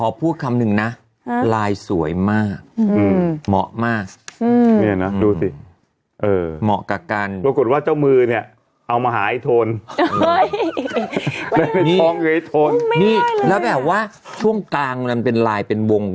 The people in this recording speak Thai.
บางชโหลงอ่ะเธอโอโห